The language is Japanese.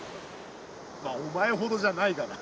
まあお前ほどじゃないがな。